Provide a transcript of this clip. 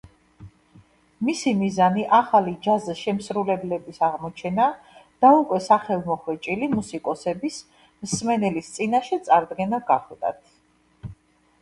მისი მიზანი ახლი ჯაზ შემსრულებლების აღმოჩენა და უკვე სახელმოხვეჭილი მუსიკოსების მსმენელის წინაშე წარდგენა გახლდათ.